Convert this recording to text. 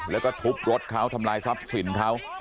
แล้วก็ทุบรถเขาทำลายทรัพย์สินเขา